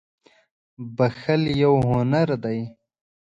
• بښل یو هنر دی.